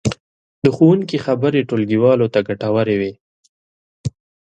د ښوونکي خبرې ټولګیوالو ته ګټورې وې.